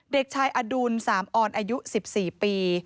เด็กชายอดุลสามออนอายุ๑๔ปี